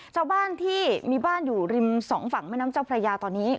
ชาวบ้านที่มีบ้านอยู่ริมสองฝั่งแม่น้ำเจ้าพระยาตอนนี้